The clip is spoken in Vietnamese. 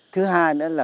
thứ hai nữa là